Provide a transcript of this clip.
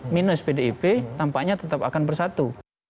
minus pdip tampaknya tetap akan bersatu